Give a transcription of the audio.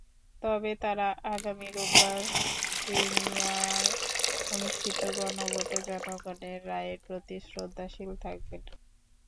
তবে তাঁরা আগামী রোববার ক্রিমিয়ায় অনুষ্ঠিত গণভোটে জনগণের রায়ের প্রতি শ্রদ্ধাশীল থাকবেন।